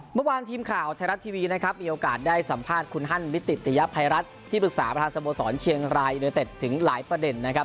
เมื่อวานทีมข่าวไทยรัฐทีวีนะครับมีโอกาสได้สัมภาษณ์คุณฮั่นมิติติยภัยรัฐที่ปรึกษาประธานสโมสรเชียงรายยูเนเต็ดถึงหลายประเด็นนะครับ